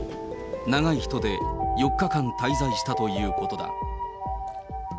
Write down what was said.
長い人で４日間滞在したということだ。